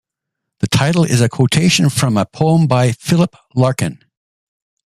The title is a quotation from a poem by Philip Larkin.